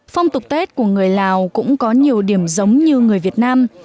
phong tục tết của người lào cũng có nhiều điểm giống như người việt nam